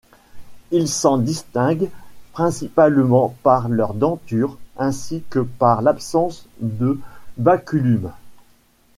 Ils s'en distinguent principalement par leur denture ainsi que par l'absence de baculum.